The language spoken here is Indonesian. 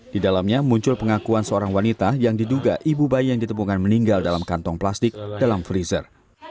di dalamnya muncul pengakuan seorang wanita yang diduga ibu bayi yang ditemukan meninggal dalam kantong plastik dalam freezer